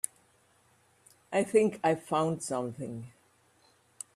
I think I found something.